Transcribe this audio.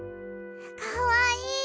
かわいい。